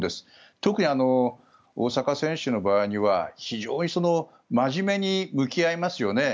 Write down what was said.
特に、大坂選手の場合には非常に真面目に向き合いますよね。